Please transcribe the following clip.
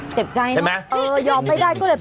เจ็บใจเนอะเลยยอมได้ก็ได้